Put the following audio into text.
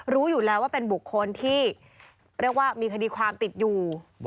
รู้อยู่แล้วว่าเป็นบุคคลที่เรียกว่ามีคดีความติดอยู่